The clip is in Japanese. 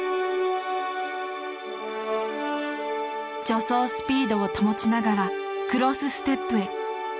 助走スピードを保ちながらクロスステップへ。